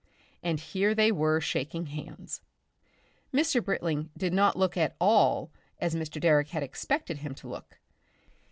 And here they were shaking hands. Mr. Britling did not look at all as Mr. Direck had expected him to look.